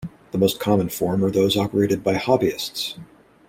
The most common form are those operated by hobbyists.